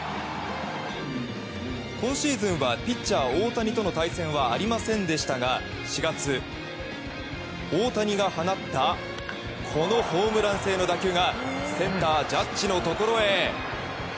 今シーズンはピッチャー大谷との対戦はありませんでしたが４月、大谷が放ったこのホームラン性の打球がセンター、ジャッジのところへ。